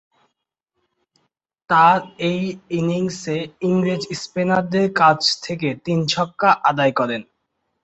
তার এ ইনিংসে ইংরেজ স্পিনারদের কাছ থেকে তিন ছক্কা আদায় করেন।